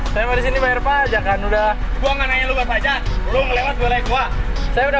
hai saya disini bayar pajak kan udah gua enggak nanya lu saja lu lewat boleh gua saya udah